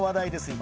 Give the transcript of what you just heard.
今。